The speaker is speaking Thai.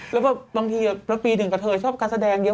แล้วก็บางทีพระปีหนึ่งกับเธอชอบการแสดงเยอะ